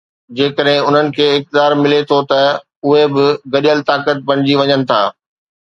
جيڪڏهن انهن کي اقتدار ملي ٿو ته اهي به گڏيل طاقت بڻجي وڃن ٿا.